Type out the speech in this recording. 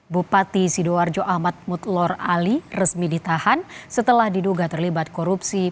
bupati sidoarjo ahmad mutlor ali resmi ditahan setelah diduga terlibat korupsi